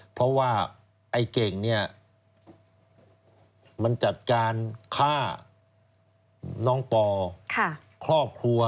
เพราะว่าไอ้เก่งเนี่ยมันจัดการฆ่าน้องปอครอบครัว